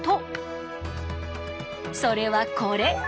それはこれ！